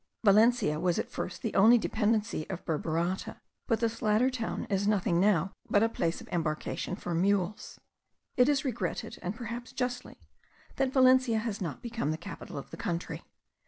Valencia was at first only a dependency of Burburata; but this latter town is nothing now but a place of embarkation for mules. It is regretted, and perhaps justly, that Valencia has not become the capital of the country.